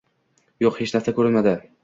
Yo‘q, hech narsa ko‘rinmadi.